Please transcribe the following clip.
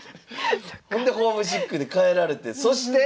ほんでホームシックで帰られてそして？